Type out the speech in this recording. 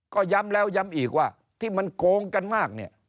ก็ย้ำแล้วย้ำอีกว่าที่มันโกงกันมากเนี่ย